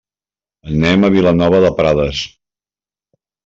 Anem a Vilanova de Prades.